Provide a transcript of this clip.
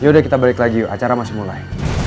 yaudah kita balik lagi yuk acara masih mulai